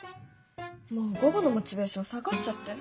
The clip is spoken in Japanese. もう午後のモチベーション下がっちゃって。